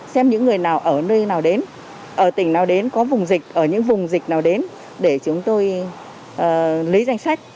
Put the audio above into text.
xem những người nào ở nơi nào đến ở tỉnh nào đến có vùng dịch ở những vùng dịch nào đến để chúng tôi lấy danh sách